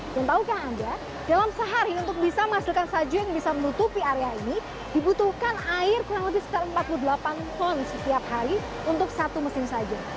dan tahukah anda dalam sehari untuk bisa menghasilkan salju yang bisa menutupi area ini dibutuhkan air kurang lebih sekitar empat puluh delapan ton setiap hari untuk satu mesin saja